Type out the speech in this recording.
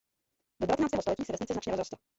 Do devatenáctého století se vesnice značně rozrostla.